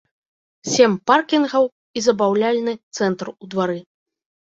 Сем паркінгаў і забаўляльны цэнтр у двары.